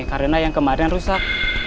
karena yang kemarin rusak